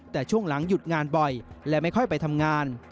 แต่ช่วงหลังหยุดงานบ่อยและไม่ค่อยไปทำงาน